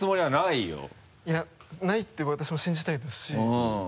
いやないって私も信じたいですしうん。